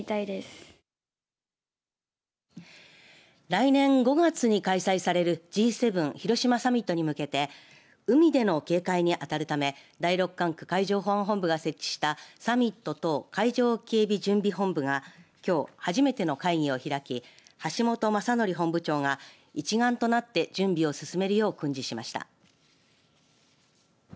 来年５月に開催されるＧ７、広島サミットに向けて海での警戒に当たるため第６管区海上保安本部が設置したサミット等海上警備準備本部がきょう初めての会議を開き橋本昌典本部長が一丸となって準備を進めるよう訓示しました。